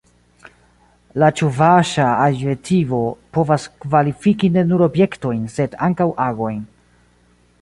La ĉuvaŝa adjektivo povas kvalifiki ne nur objektojn sed ankaŭ agojn.